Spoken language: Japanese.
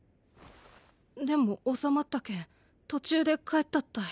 でもおさまったけん途中で帰ったったい。